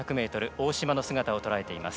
大島の姿をとらえています。